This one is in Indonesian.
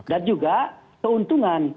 dan juga keuntungan